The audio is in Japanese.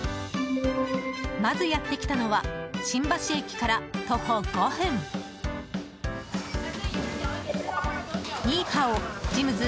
まずやってきたのは新橋駅から徒歩５分ニーハオＧＥＭＳ